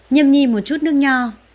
nhầm nhi một chút nước nho